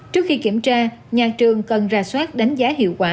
trước khi kiểm tra nhà trường cần ra soát đánh giá hiệu quả